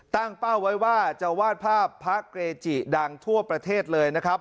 เป้าไว้ว่าจะวาดภาพพระเกจิดังทั่วประเทศเลยนะครับ